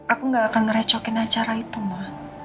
aku gak akan ngerecokin acara itu mah